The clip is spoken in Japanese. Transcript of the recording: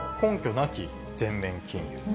なき全面禁輸。